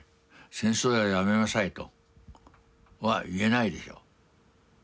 戦争はやめなさいとは言えないでしょう。